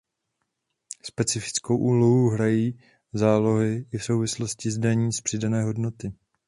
Specifickou úlohu hrají zálohy i v souvislosti s daní z přidané hodnoty.